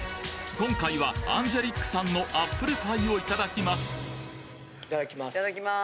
今回はアンジェリックさんのアップルパイをいただきますいただきます。